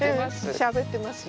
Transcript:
しゃべってますよ。